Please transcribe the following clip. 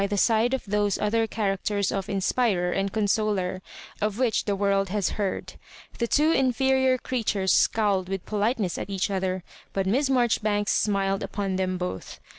the side of those other characters of Inspirer and Consoler, of which the world has heard. The two inferior creatures scowled with polite ness at each other, but Miss Marjoribanks smiled upon them both.